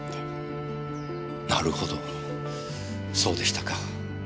なるほどそうでしたか。